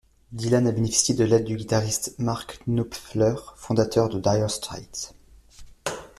Dylan a bénéficié de l'aide du guitariste Mark Knopfler, fondateur de Dire Straits.